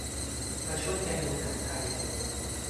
มาช่วยกันดูหนังไทยเถอะ